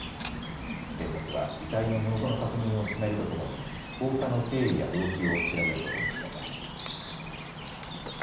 警察は遺体の身元の確認を進めるとともに放火の経緯や動機を調べることにしています。